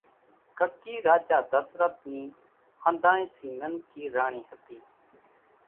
ڪڪِي راجا ڌسرت نِي ۿنڌانئين ٿي ننڪي راڻي ھتي